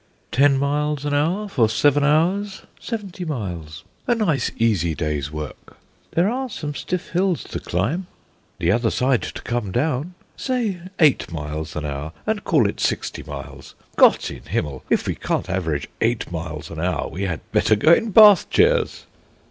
"Ten miles an hour for seven hours, seventy miles. A nice easy day's work." "There are some stiff hills to climb?" "The other side to come down. Say, eight miles an hour, and call it sixty miles. Gott in Himmel! if we can't average eight miles an hour, we had better go in bath chairs."